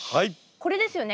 これですよね？